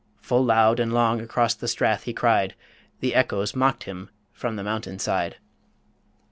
Full loud and long across the Strath he cried The echoes mocked him from the mountain side.